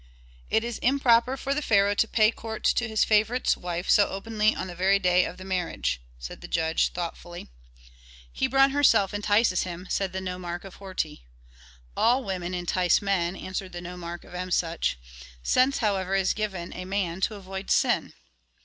"It is improper for the pharaoh to pay court to his favorite's wife so openly on the very day of the marriage," said the judge, thoughtfully. "Hebron herself entices him," said the nomarch of Horti. "All women entice men," answered the nomarch of Emsuch. "Sense, however, is given a man to avoid sin."